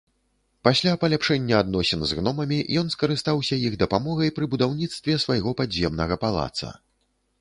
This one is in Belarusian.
Пасля паляпшэння адносін з гномамі ён скарыстаўся іх дапамогай пры будаўніцтве свайго падземнага палаца.